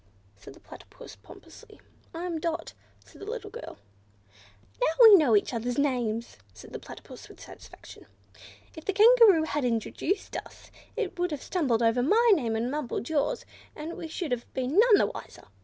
said the Platypus pompously. "I am Dot," said the little girl. "Now we know one another's names," said the Platypus, with satisfaction. "If the Kangaroo had introduced us, it would have stumbled over my name, and mumbled yours, and we should have been none the wiser.